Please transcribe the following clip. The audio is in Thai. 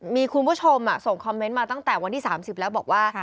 มีคุณผู้ชมส่งคอมเมนต์มาตั้งแต่วันที่๓๐แล้วบอกว่า